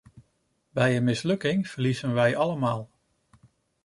Bij een mislukking verliezen wij allemaal.